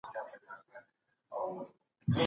د بل تاوان مه غواړئ.